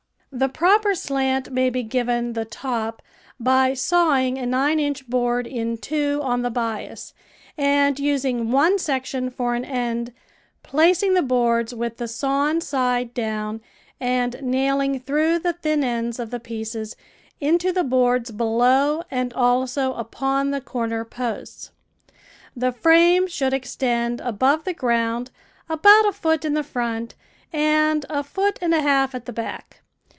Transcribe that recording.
The proper slant may be given the top by saw THE VEGETABLE GARDEN ing a nine inch board in two on the bias and using one section for an end, placing the boards with the sawn side down and naihng through the thin ends of the pieces into the boards below and also upon the corner posts. The frame should extend above the ground about a foot in the front and a foot and a half at the back.